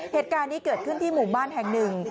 เหตุการณ์นี้เกิดขึ้นที่หมู่บ้านแห่งหนึ่ง